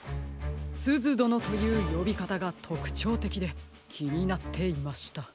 「すずどの」というよびかたがとくちょうてきできになっていました。